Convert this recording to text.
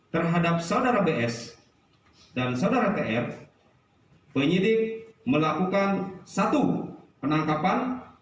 terhadap saudara bs dan saudara tf penyidik melakukan satu penangkapan